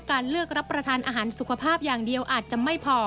การเลือกรับประทานอาหารสุขภาพอย่างเดียวอาจจะไม่พอ